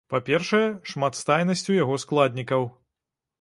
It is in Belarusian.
Па-першае, шматстайнасцю яго складнікаў.